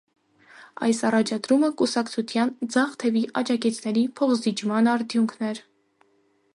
Այս առաջադրումը կուսակցության ձախ թևի աջակիցների փոխզիջման արդյունքն էր։